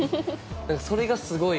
それがすごい。